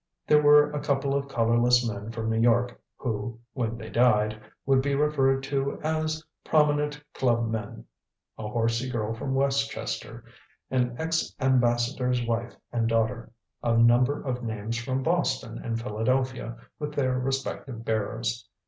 There were a couple of colorless men from New York who, when they died, would be referred to as "prominent club men," a horsy girl from Westchester, an ex ambassador's wife and daughter, a number of names from Boston and Philadelphia with their respective bearers.